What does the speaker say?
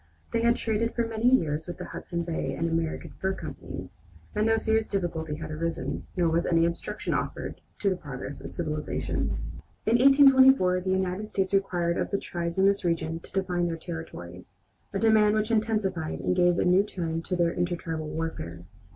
They had traded for many years with the Hudson Bay and American Fur companies, and no serious difficulty had arisen, nor was any obstruction offered to the progress of civilization. In 1824 the United States required of the tribes in this region to define their territory, a demand which intensified and gave a new turn to their intertribal warfare.